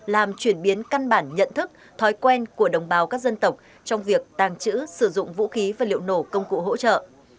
làm chuyển biến căn bản nhận thức thói quen của đồng bào các dân tộc trong việc tàng trữ sử dụng vũ khí và liệu nổ công cụ hỗ trợ